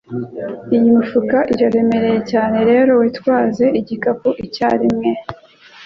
Iyi mifuka iraremereye cyane, rero witwaze igikapu icyarimwe.